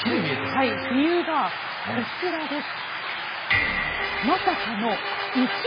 理由がこちらです。